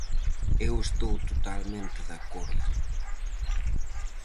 Eu estou totalmente de acordo.